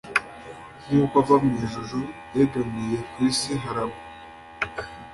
nkuko ava mwijuru yegamiye, kwisi haragwa